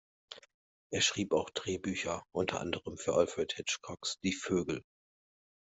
Er schrieb auch Drehbücher, unter anderem für Alfred Hitchcocks "Die Vögel".